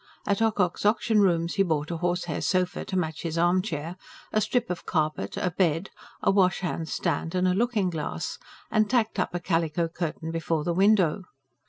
At Ocock's Auction Rooms he bought a horsehair sofa to match his armchair, a strip of carpet, a bed, a washhand stand and a looking glass, and tacked up a calico curtain before the window.